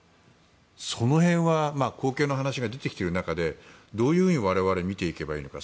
その辺は後継の話が出てきている中でどういうふうに我々は見ていけばいいのか